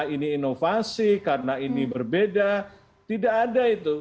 ini inovasi karena ini berbeda tidak ada itu